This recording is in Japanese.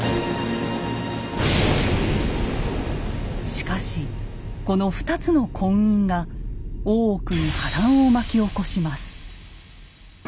しかしこの２つの婚姻が大奥に波乱を巻き起こします。